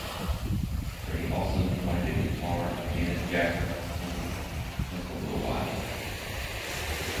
Rey also provided guitar on Janet Jackson's single "Just a Little While".